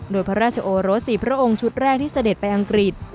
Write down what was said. โดยพระราชโอรส๔พระองค์ชุดแรกที่เสด็จไปอังกฤษ